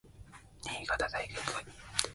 ここは危険です。